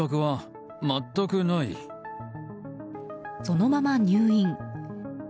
そのまま入院。